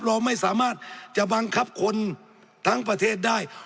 เราไม่สามารถจะบังคับคนทั้งประเทศได้